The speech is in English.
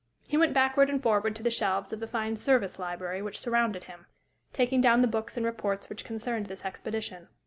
He went backward and forward to the shelves of the fine "Service" library which surrounded him, taking down the books and reports which concerned this expedition.